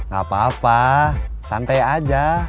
gapapa santai aja